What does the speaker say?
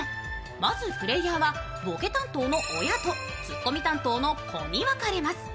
まずプレーヤーはボケ担当の親とツッコミ担当の子に分かれます。